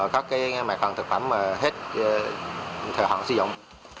các mặt hàng thực phẩm hết thời hạn sử dụng